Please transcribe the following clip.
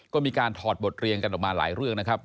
ก็มีการถอดบทเรียนกันออกมาหลายเรื่องนะครับ